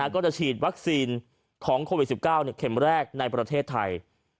ก็จะฉีดวัคซีนของโควิด๑๙เข็มแรกในประเทศไทย